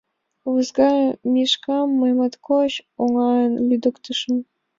— Лузга Мишкам мый моткоч оҥайын лӱдыктышым...